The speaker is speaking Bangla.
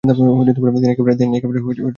তিনি একেবারে কেন্দ্রে ছিলেন।